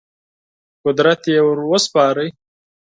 قدرت یې ور وسپاره.